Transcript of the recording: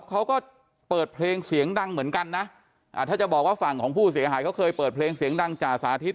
เขาก็เปิดเพลงเสียงดังเหมือนกันนะถ้าจะบอกว่าฝั่งของผู้เสียหายเขาเคยเปิดเพลงเสียงดังจ่าสาธิต